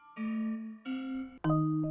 ini mbak mbak ketinggalan